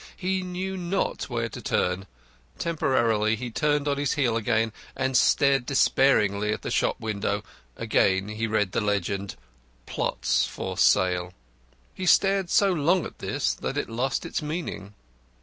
He knew not where to turn. Temporarily he turned on his heel again and stared despairingly at the shop window. Again he read the legend "PLOTS FOR SALE." He stared so long at this that it lost its meaning.